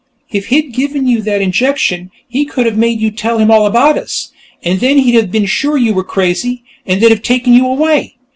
If he'd given you that injection, he could have made you tell him all about us, and then he'd have been sure you were crazy, and they'd have taken you away.